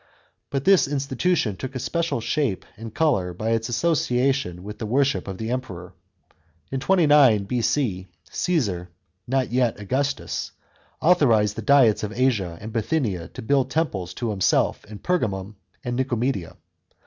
But this institution took a special shape and colour by its association with the worship of the Emperor. In 29 B.C. Caesar (not yet Augustus) authorised the diets of Asia and Bithynia to build temples to himself in Pergamum and Nicomedia.